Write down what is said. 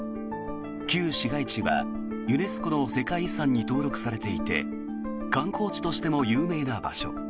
旧市街地はユネスコの世界遺産に登録されていて観光地としても有名な場所。